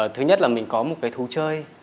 thứ nhất là mình có một thú chơi